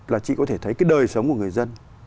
là chị có thể thấy cái đời sống của người dân